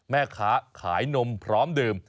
แม่ค้าขายนมพร้อมดื่ม